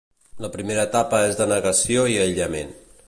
La primera etapa és de negació i aïllament.